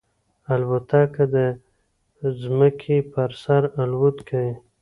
الوتکه د ځمکې پر سر الوت کوي.